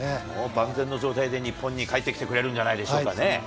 万全の状態で日本に帰ってきてくれるんじゃないでしょうかね。